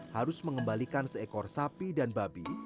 harus mengembalikan seekor sapi dan babi